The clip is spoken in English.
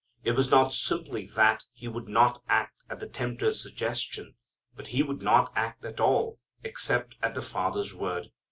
It was not simply that He would not act at the tempter's suggestion, but He would not act at all except at the Father's word.